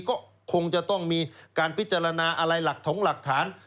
ก็คงจะต้องมีการพิจารณาอะไรหลักถงหลักฐาน